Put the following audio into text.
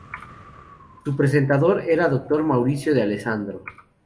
Su presentador era el Dr. Mauricio D'Alessandro.